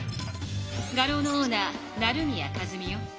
画廊のオーナー成宮数美よ。